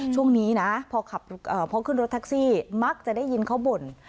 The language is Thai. ช่วงนี้นะพอขึ้นรถแท็กซี่มักจะได้ยินเขาบ่น